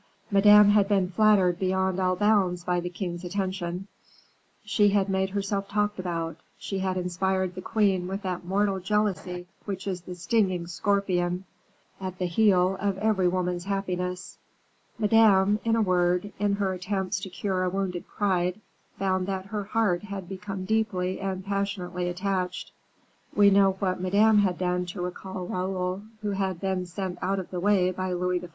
Madame had been flattered beyond all bounds by the king's attention; she had made herself talked about; she had inspired the queen with that mortal jealousy which is the stinging scorpion at the heel of every woman's happiness; Madame, in a word, in her attempts to cure a wounded pride, found that her heart had become deeply and passionately attached. We know what Madame had done to recall Raoul, who had been sent out of the way by Louis XIV.